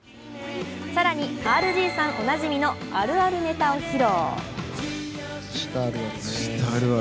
更にＲＧさんおなじみのあるあるネタを披露。